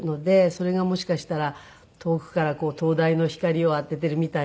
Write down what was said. それがもしかしたら遠くから灯台の光を当てているみたいな